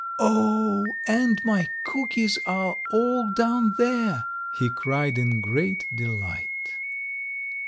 "O, and my cookies are all down there!" he cried in great delight.